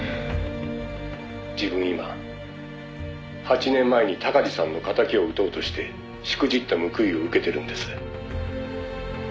「自分今８年前に鷹児さんの敵を討とうとしてしくじった報いを受けてるんです」